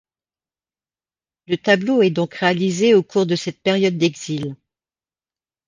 Le tableau est donc réalisé au cours de cette période d’exil.